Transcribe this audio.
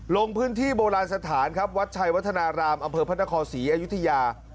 ลงพื้นที่โบราณสถานครับวัดชัยวัฒนารามอำเภอพระนครศรีอยุธยา